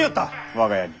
我が家に。